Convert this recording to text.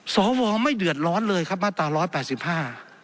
สวไม่เดือดร้อนเลยครับมาตรา๑๘๕